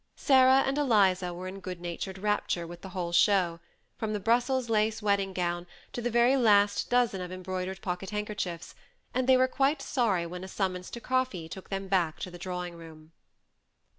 Sarah and Eliza were in good natured rapture with the whole show, — from the Brus sels lace wedding gown to the very last dozen of em broidered pocket handkerchiefs, — and they were quite sorry when a summons to coffee took them back to the drawing room.